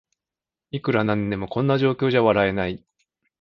いくらなんでもこんな状況じゃ笑えない